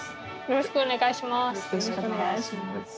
よろしくお願いします。